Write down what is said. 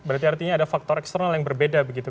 berarti artinya ada faktor eksternal yang berbeda begitu